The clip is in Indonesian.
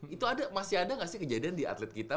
itu masih ada nggak sih kejadian di atlet kita